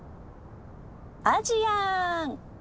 アジアン！